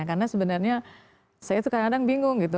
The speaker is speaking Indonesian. karena sebenarnya saya itu kadang kadang bingung gitu